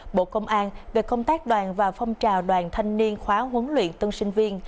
bộ công an về công tác đoàn và phong trào đoàn thanh niên khóa huấn luyện tân sinh viên